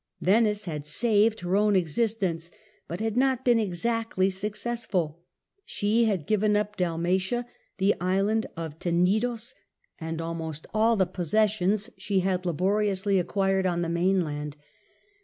Venice had saved her own existence, but had not been exactly successful : Peace of she had to give up Dalmatia, the Island of Tenidos and ""°' almost all the possessions she had laboriously acquired on the mainland.